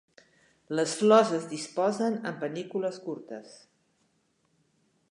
Les flors es disposen en panícules curtes.